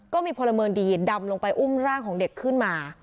ก็มีพลเมืองดีดำลงไปอุ้มร่างของเด็กขึ้นมา